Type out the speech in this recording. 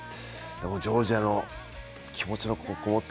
ジョージアの気持ちのこもった